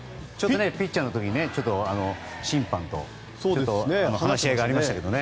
ピッチャーの時、審判と話し合いがありましたけどね。